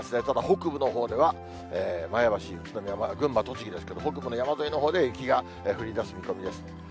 ただ、北部のほうでは、前橋、宇都宮、群馬、栃木ですけれども、北部の山沿いのほうで雪が降りだす見込みです。